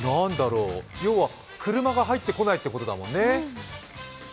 要は車が入ってこないっていうことだもんね。